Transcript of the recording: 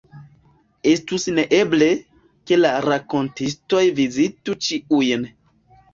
Estus neeble, ke la rakontistoj vizitu ĉiujn.